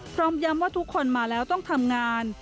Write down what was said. พร้อมย้ำว่าทุกคนมาแล้วต้องทำงาน